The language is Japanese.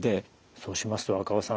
そうしますと若尾さん